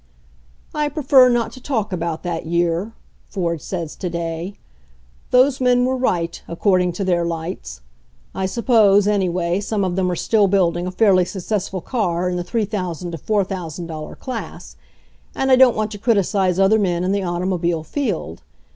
"I prefer not to talk about that year," Ford says to day. "Those men were right, according to their lights. I suppose, anyway, some of them are still building a fairly successful car in the $3,000 to $4,000 class, and I don't want to criti cize other men in the automobile field.